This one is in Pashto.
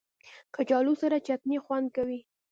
کچالو سره چټني خوند کوي